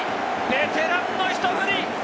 ベテランのひと振り！